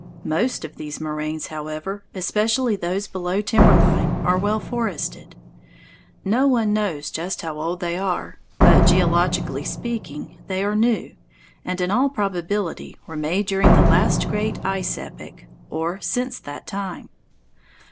Most of these moraines, however, especially those below timber line, are well forested. No one knows just how old they are, but, geologically speaking, they are new, and in all probability were made during the last great ice epoch, or since that time.